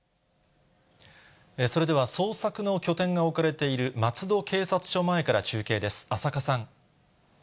それでは捜索の拠点が置かれている、松戸警察署前から中継です。